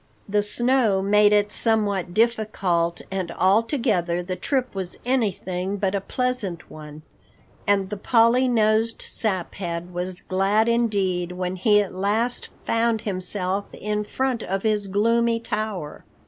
The snow made it somewhat difficult and altogether the trip was anything but a pleasant one, and the Polly nosed Saphead was glad indeed when he at last found himself in front of his gloomy tower.